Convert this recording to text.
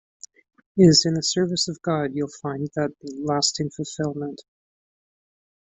It's in the service of God you'll find that lasting fulfillment.